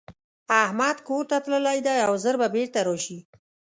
احمدکورته تللی دی او ژر به بيرته راشي.